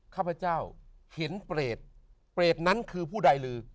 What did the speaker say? ข้าพเจ้าเห็นเปรตเปรตนั้นคือผู้ใดลือ